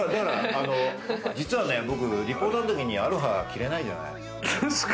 実はリポーターのときにアロハ着れないじゃない。